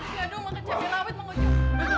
kita juga dong makan cabai rawit bang hojo